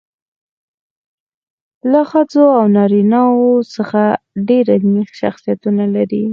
له ښځو او نارینه وو څخه ډېر علمي شخصیتونه لري.